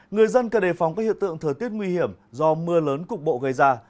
người dân cần đề phòng các hiện tượng thời tiết nguy hiểm do mưa lớn cục bộ gây ra